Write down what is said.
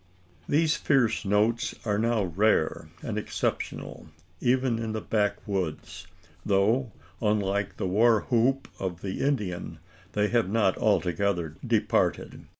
These fierce notes are now rare and exceptional even in the backwoods though, unlike the war whoop of the Indian, they have not altogether departed.